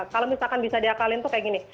kalau misalkan bisa diakalin tuh kayak gini